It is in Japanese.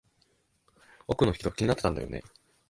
奥の引き戸、気になってたんだよね。